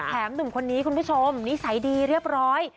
หนุ่มคนนี้คุณผู้ชมนิสัยดีเรียบร้อย